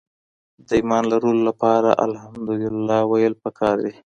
د ايمان لرلو لپاره ألحمدلله ويل پکار دي.